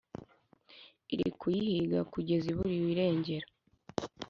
iri kuyihiga kugeza iburiwe irengero